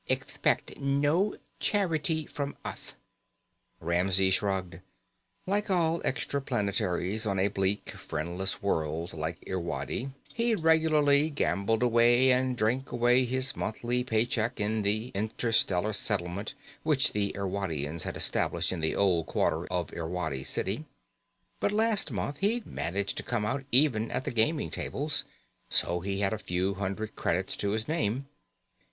Ethpect no charity from uth." Ramsey shrugged. Like all extra planetaries on a bleak, friendless world like Irwadi, he'd regularly gambled away and drank away his monthly paycheck in the interstellar settlement which the Irwadians had established in the Old Quarter of Irwadi City. But last month he'd managed to come out even at the gaming tables, so he had a few hundred credits to his name.